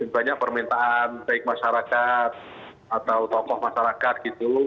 banyak permintaan baik masyarakat atau tokoh masyarakat gitu